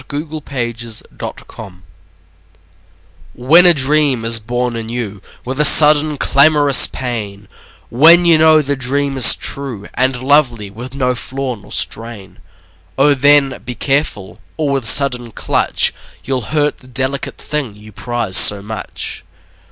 Y Z A Pinch of Salt WHEN a dream is born in you With a sudden clamorous pain, When you know the dream is true And lovely, with no flaw nor strain, O then, be careful, or with sudden clutch You'll hurt the delicate thing you prize so much.